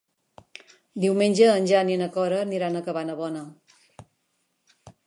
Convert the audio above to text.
Diumenge en Jan i na Cora aniran a Cabanabona.